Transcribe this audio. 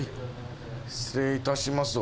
失礼いたします。